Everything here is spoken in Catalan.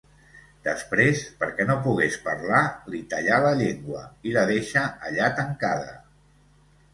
Després, perquè no pogués parlar, li tallà la llengua i la deixà allà tancada.